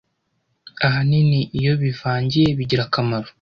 Ahanini iyo wivangiye bigira akamaro